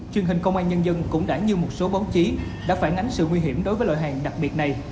truyền hình công an nhân dân cũng đã như một số báo chí đã phản ánh sự nguy hiểm đối với loại hàng đặc biệt này